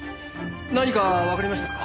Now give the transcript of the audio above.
何かわかりましたか？